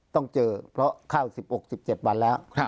ต้องเจอเพราะเข้า๑๖๑๗วันแล้ว